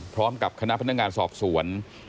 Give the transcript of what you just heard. พร้อมกับคณะพนักงานสอบสวน